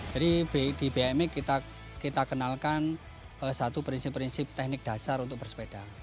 jadi di bmx kita kenalkan satu prinsip prinsip teknik dasar untuk bersepeda